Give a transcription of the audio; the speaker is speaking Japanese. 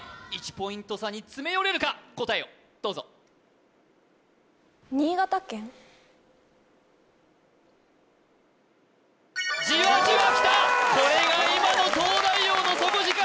１ポイント差に詰め寄れるか答えをどうぞじわじわきたこれが今の東大王の底力